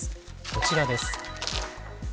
こちらです。